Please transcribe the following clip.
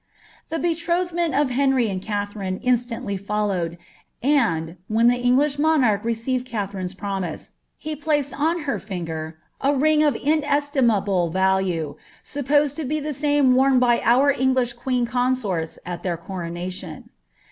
The be trc) thine nt of Henry and Kalherine instantly followed; ani}, whrn (he English monarch received Katherine's prooiise, he plitccd nu ber finger a ring of iDeslimahle value, supposed (o be the same worn hf our English cjueen consorls al their coronation.